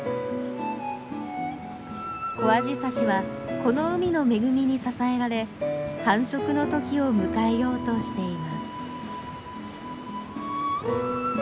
コアジサシはこの海の恵みに支えられ繁殖の時を迎えようとしています。